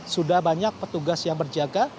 sudah banyak petugas yang berjaga